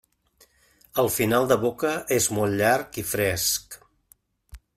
El final de boca és molt llarg i fresc.